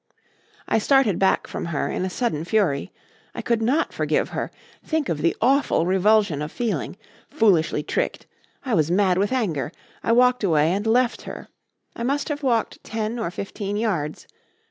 "I started back from her in a sudden fury. I could not forgive her. Think of the awful revulsion of feeling. Foolishly tricked! I was mad with anger. I walked away and left her. I must have walked ten or fifteen yards.